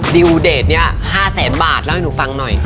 ดิวเดทเนี่ย๕แสนบาทเล่าให้หนูฟังหน่อย